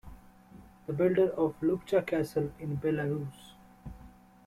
The builder of Lubcha Castle in Belarus.